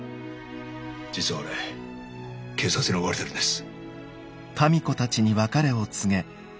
実は俺警察に追われてるんです。